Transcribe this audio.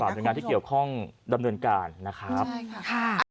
สำหรับงานที่เกี่ยวข้องดำเนินการนะครับค่ะ